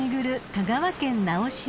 香川県直島］